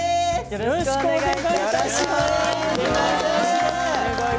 よろしくお願いします。